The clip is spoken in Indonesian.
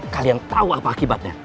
kalian tau apa akibatnya